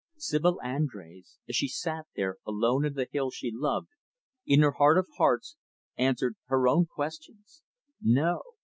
Sibyl Andrés, as she sat there, alone in the hills she loved, in her heart of hearts, answered her own questions, "No."